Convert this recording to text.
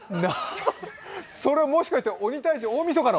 それ、もしかして「鬼タイジ」大みそかの？